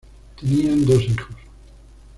Tenían dos hijos.